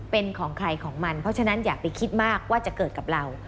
เป็นของใครของมันเพราะฉะนั้นอย่าไปคิดมากว่าจะเกิดกับเรา